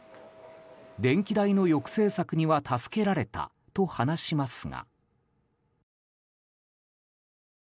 電気代の抑制策には助けられたと話しますが。